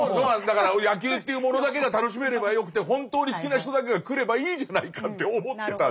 だから野球というものだけが楽しめればよくて本当に好きな人だけが来ればいいじゃないかって思ってたんです。